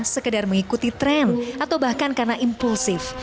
sekedar mengikuti tren atau bahkan karena impulsif